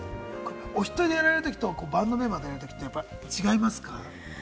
おひとりでやられるときとバンドメンバーでやられるときと違いますか？